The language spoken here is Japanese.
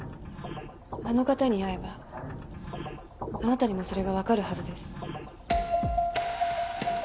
あの方に会えばあなたにもそれがわかるはずです。